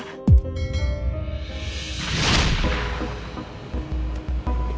ibu sendiri yang udah minta